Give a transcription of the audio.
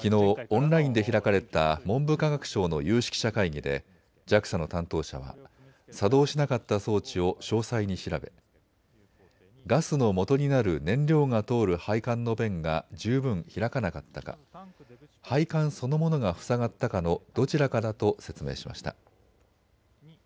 オンラインで開かれた文部科学省の有識者会議でＪＡＸＡの担当者は作動しなかった装置を詳細に調べガスの元になる燃料が通る配管の弁が十分開かなかったか配管そのものが塞がったかのどちらかだと説明しました。